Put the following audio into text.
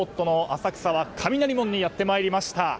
浅草の雷門にやってきました。